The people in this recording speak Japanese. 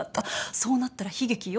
そうなったら悲劇よ。